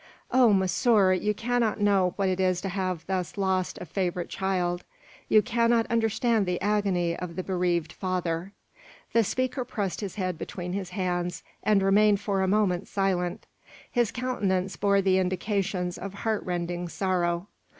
"Oh, monsieur, you cannot know what it is to have thus lost a favourite child! you cannot understand the agony of the bereaved father!" The speaker pressed his head between his hands, and remained for a moment silent. His countenance bore the indications of heartrending sorrow.